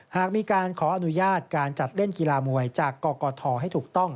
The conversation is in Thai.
หากมีการขออนุญาตการจัดเล่นกีฬามวยจากกกทให้ถูกต้อง